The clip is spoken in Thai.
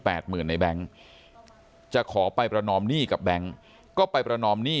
หมื่นในแบงค์จะขอไปประนอมหนี้กับแบงค์ก็ไปประนอมหนี้